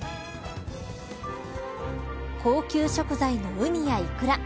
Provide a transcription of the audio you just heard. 高級食材のウニやイクラ